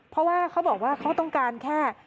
เพราะว่าเขาบอกว่าเขาต้องการแค่